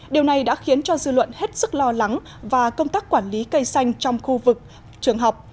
điều này đã khiến cho dư luận hết sức lo lắng và công tác quản lý cây xanh trong khu vực trường học